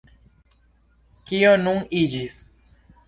Kio nun iĝis?